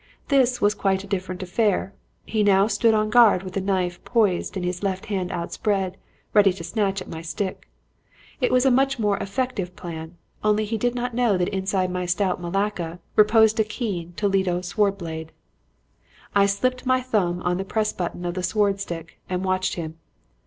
This was quite a different affair. He now stood on guard with the knife poised and his left hand outspread ready to snatch at my stick. It was a much more effective plan; only he did not know that inside my stout malacca reposed a keen Toledo sword blade. "I slipped my thumb on the press button of the sword stick and watched him.